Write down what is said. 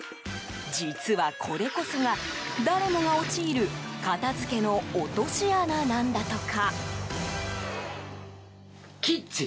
実は、これこそが誰もが陥る片付けの落とし穴なんだとか。